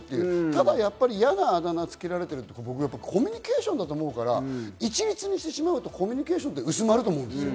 ただ嫌なあだ名を付けられているとコミュニケーションだと思うから、一律にするとコミュニケーションは薄まると思うんです。